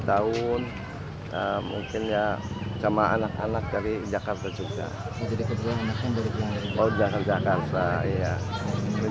tahun mungkin ya sama anak anak dari jakarta juga jadi keberanian akan berhubungan dengan